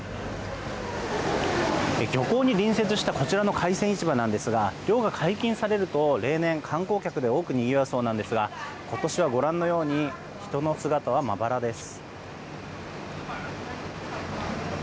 漁港に隣接したこちらの海鮮市場なんですが漁が解禁されると例年、観光客で多くにぎわうそうなんですが今年はご覧のように人の姿はまばらです。